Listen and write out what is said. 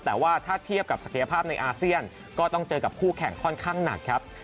แต่ว่าถ้าเทียบกับศักยภาพในอาเซียนก็ต้องเจอกับคู่แข่งค่อนข้างหนักครับ